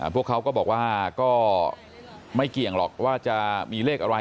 พวกเขาก็บอกว่าก็ไม่เกี่ยงหรอกว่าจะมีเลขอะไร